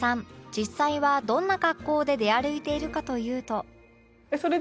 実際はどんな格好で出歩いているかというと